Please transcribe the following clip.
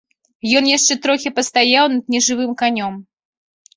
Ён яшчэ трохі пастаяў над нежывым канём.